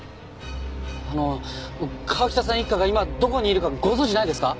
あの川喜多さん一家が今どこにいるかご存じないですか？